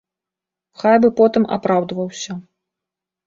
Хай бы потым апраўдваўся.